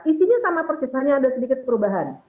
isinya sama persis hanya ada sedikit perubahan